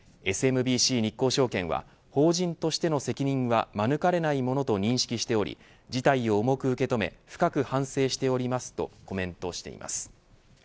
ＳＭＢＣ日興証券は法人としての責任は免れないものと認識しており事態を重く受け止め深く反省しておりますとコメントしています。